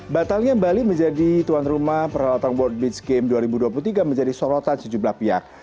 batalnya bali menjadi tuan rumah peralatan world beach game dua ribu dua puluh tiga menjadi sorotan sejumlah pihak